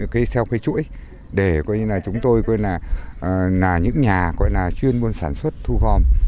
ký theo cái chuỗi để chúng tôi là những nhà chuyên môn sản xuất thu phòng